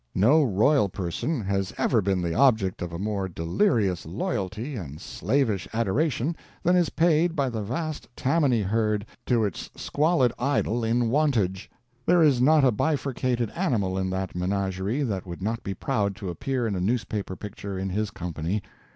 No royal person has ever been the object of a more delirious loyalty and slavish adoration than is paid by the vast Tammany herd to its squalid idol of Wantage. There is not a bifurcated animal in that menagerie that would not be proud to appear in a newspaper picture in his company.